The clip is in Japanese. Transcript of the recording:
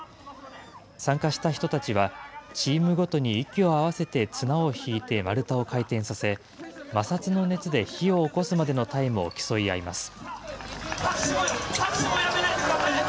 参加した人たちは、チームごとに息を合わせて綱をひいて丸太を回転させ、摩擦の熱で火をおこすまでのタイムを競い合います。